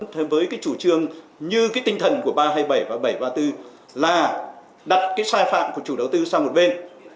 thế với cái chủ trương như cái tinh thần của ba trăm hai mươi bảy và bảy trăm ba mươi bốn là đặt cái sai phạm của chủ đầu tư sang một bên